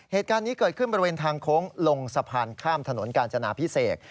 เหตุการณ์นี้เกิดขึ้นบริเวณทางโค้งลงสะพานข้ามถนนกาญจนาพิเศษ